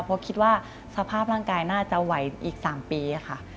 เพราะคิดว่าสภาพร่างกายน่าจะไหวอีก๓ปีค่ะ